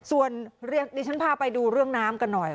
ส่วนเรียกดิฉันพาไปดูเรื่องน้ำกันหน่อย